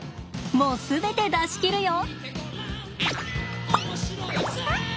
もう全て出し切るよ！